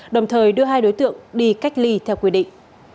đồng thời đưa hai đối tượng đi cách ly theo quy định